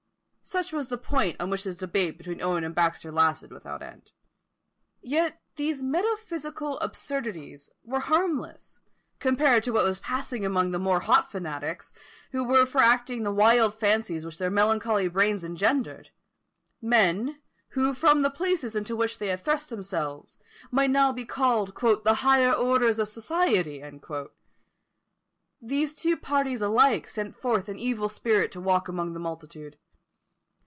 Such was the point on which this debate between Owen and Baxter lasted without end. Yet these metaphysical absurdities were harmless, compared to what was passing among the more hot fanatics, who were for acting the wild fancies which their melancholy brains engendered; men, who from the places into which they had thrust themselves, might now be called "the higher orders of society!" These two parties alike sent forth an evil spirit to walk among the multitude.